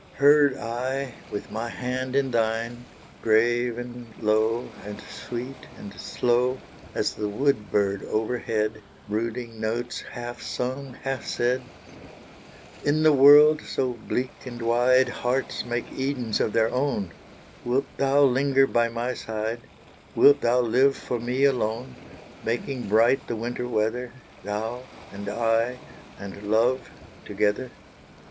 Heard I, with my hand in thine, Grave and low, and sweet and slow, As the wood bird over head, Brooding notes, half sung half said, "In the world so bleak and wide, Hearts make Edens of their own; Wilt thou linger by my side, Wilt thou live for me alone, Making bright the winter weather, Thou and I and love together?"